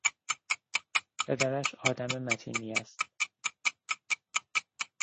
پدرش آدم متینی است.